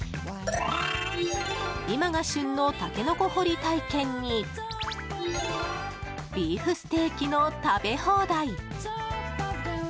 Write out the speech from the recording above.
今が旬のタケノコ掘り体験にビーフステーキの食べ放題。